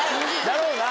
だろうな。